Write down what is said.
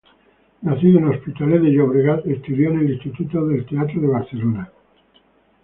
Nacido en Hospitalet de Llobregat, estudió en el Instituto del Teatro de Barcelona.